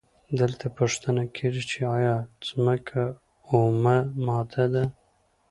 دلته پوښتنه کیږي چې ایا ځمکه اومه ماده ده؟